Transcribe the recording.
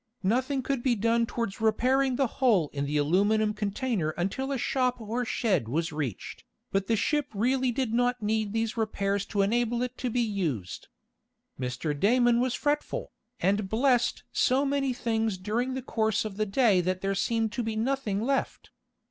Nothing could be done toward repairing the hole in the aluminum container until a shop or shed was reached, but the ship really did not need these repairs to enable it to be used. Mr. Damon was fretful, and "blessed" so many things during the course of the day that there seemed to be nothing left.